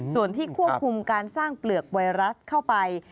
ส่วนที่ควบคุมการสร้างเปลือกไวรัสเข้าไป